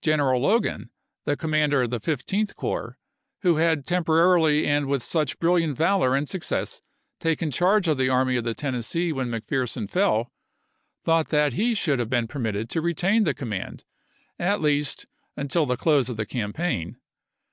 Gen eral Logan, the commander of the Fifteenth Corps, who had temporarily and with such brilliant valor and success taken charge of the Army of the Ten nessee when McPherson fell, thought that he should have been permitted to retain the com mand, at least, until the close of the campaign.